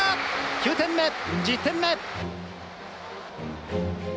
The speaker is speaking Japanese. ９点目１０点目。